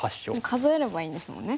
数えればいいんですもんね。